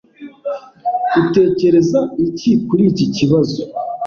Utekereza iki kuri iki kibazo?